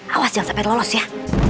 awas jangan sampai lolos ya